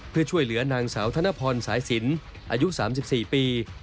เพื่อช่วยเหลือนางสาวธนพรสายสินอายุ๓๔ปี